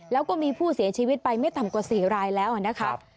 แล้วก็มีผู้เสียชีวิตไปไม่ต่ำกว่า๔รายแล้วนะคะ